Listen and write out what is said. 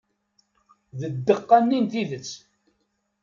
D ddeqqa-nni n tidet.